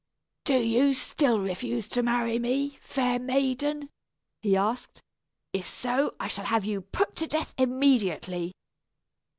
"Do you still refuse to marry me, fair maiden?" he asked. "If so, I shall have you put to death immediately."